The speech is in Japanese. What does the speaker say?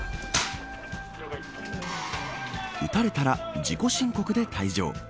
撃たれたら、自己申告で退場。